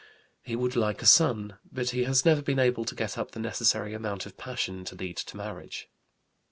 He would like a son, but he has never been able to get up the necessary amount of passion to lead to marriage.